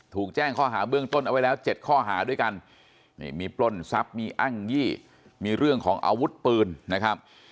ถูกแจ้งข้อหาเบื้องต้นเอาไว้แล้ว๗ข้อหาด้วยกันนี่มีปล้นทรัพย์มีอ้างยี่มีเรื่องของอาวุธปืนนะครับ